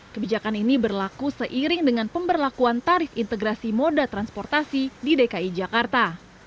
kebijakan ini berlaku seiring dengan pemberlakuan tarif integrasi moda transportasi di dki jakarta